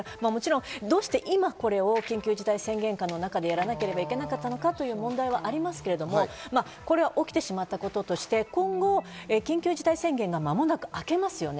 どうして今これを緊急事態宣言下の中でやらなければいけなかったのかという問題はありますけど、起きてしまったこととして緊急事態宣言が間もなく開けますよね。